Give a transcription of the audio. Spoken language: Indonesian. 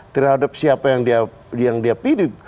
terhadap siapa yang dia pilih